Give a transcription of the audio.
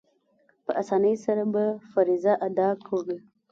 په آسانۍ سره به فریضه ادا کړي.